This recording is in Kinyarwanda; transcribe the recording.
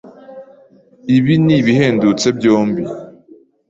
Ibi nibihendutse byombi.